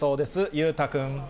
裕太君。